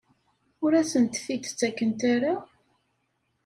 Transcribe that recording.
Ur asent-t-id-ttakent ara?